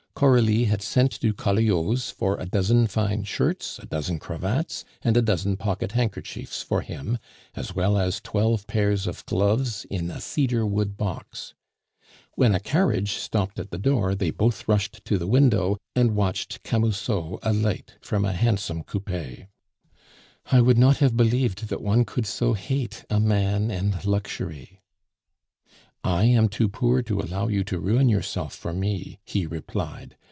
Coralie had sent to Colliau's for a dozen fine shirts, a dozen cravats and a dozen pocket handkerchiefs for him, as well as twelve pairs of gloves in a cedar wood box. When a carriage stopped at the door, they both rushed to the window, and watched Camusot alight from a handsome coupe. "I would not have believed that one could so hate a man and luxury " "I am too poor to allow you to ruin yourself for me," he replied.